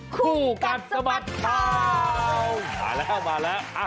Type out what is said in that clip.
คู่กัดสะบัดข่าวมาแล้ว